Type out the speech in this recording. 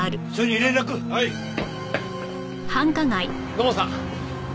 土門さん。